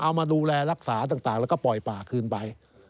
เอามาดูแลรักษาต่างแล้วก็ปล่อยป่าคืนไป